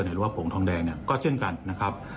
หรือว่าผงทองแดงเนี่ยก็เช่นกันนะครับ